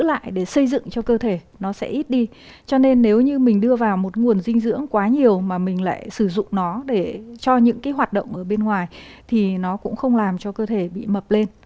đi lại để xây dựng cho cơ thể nó sẽ ít đi cho nên nếu như mình đưa vào một nguồn dinh dưỡng quá nhiều mà mình lại sử dụng nó để cho những cái hoạt động ở bên ngoài thì nó cũng không làm cho cơ thể bị mập lên